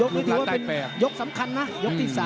นี่ถือว่าเป็นยกสำคัญนะยกที่๓